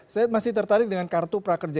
saya masih tertarik dengan kartu prakerja